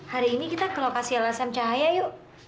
hari ini kita ke lokasi lsm cahaya yuk